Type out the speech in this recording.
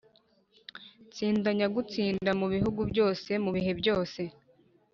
tsinda nyagutsinda mu bihugu byose, mu bihe byose